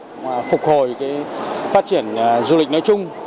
giúp phục hồi phát triển du lịch nói chung